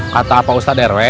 kata pak ustadz rw